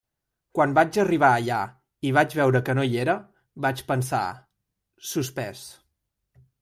Quan vaig arribar allà i vaig veure que no hi era, vaig pensar: suspès.